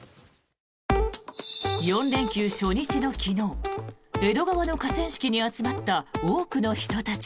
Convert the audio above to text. ４連休初日の昨日江戸川の河川敷に集まった多くの人たち。